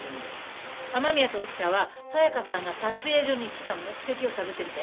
雨宮と沖田は紗香さんが撮影所に来た目的を探ってみて。